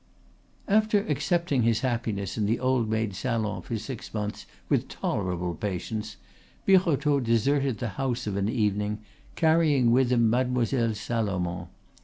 After accepting his happiness in the old maid's salon for six months with tolerable patience, Birotteau deserted the house of an evening, carrying with him Mademoiselle Salomon.